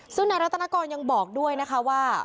ซึ่งนายรัตนกรยังบอกด้วยนะคะว่า